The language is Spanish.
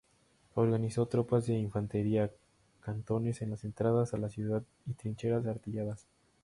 Organizó tropas de infantería, cantones en las entradas a la ciudad y trincheras artilladas.